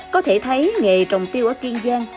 có thể thấy nghề trồng tiêu ở kiên giang